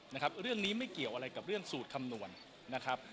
นะครับเรื่องนี้ไม่เกี่ยวอะไรกับเรื่องสูตรคำนวณนะครับ